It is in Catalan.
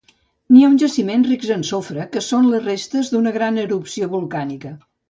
N'hi ha uns jaciments rics en sofre que són les restes d'una gran erupció volcànica.